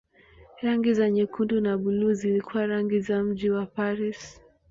Rangi za nyekundu na buluu zilikuwa rangi za mji wa Paris.